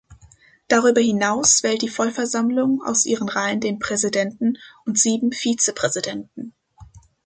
Darüber hinaus wählt die Vollversammlung aus ihren Reihen den Präsidenten und sieben Vizepräsidenten.